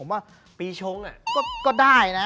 ผมว่าปีชงก็ได้นะ